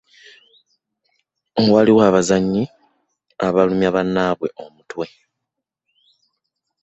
Waliwo abazannyi abalumya banabwe omutwe.